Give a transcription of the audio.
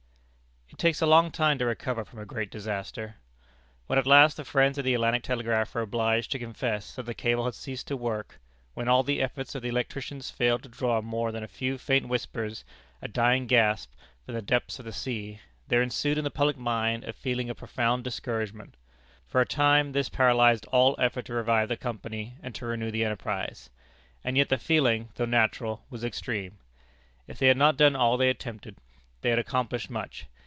It takes a long time to recover from a great disaster. When at last the friends of the Atlantic Telegraph were obliged to confess that the cable had ceased to work; when all the efforts of the electricians failed to draw more than a few faint whispers, a dying gasp, from the depths of the sea, there ensued in the public mind a feeling of profound discouragement. For a time this paralyzed all effort to revive the Company and to renew the enterprise. And yet the feeling, though natural, was extreme. If they had not done all they attempted, they had accomplished much.